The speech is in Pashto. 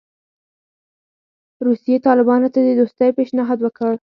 روسیې طالبانو ته د دوستۍ پېشنهاد وکړ.